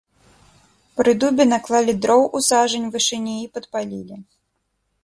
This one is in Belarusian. Пры дубе наклалі дроў у сажань вышыні і падпалілі.